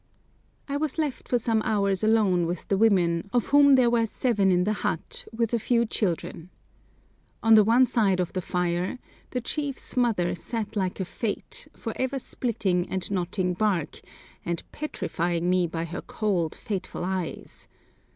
I was left for some hours alone with the women, of whom there were seven in the hut, with a few children. On the one side of the fire the chief's mother sat like a Fate, for ever splitting and knotting bark, and petrifying me by her cold, fateful eyes.